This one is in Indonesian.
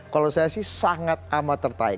kalau saya sih sangat amat tertarik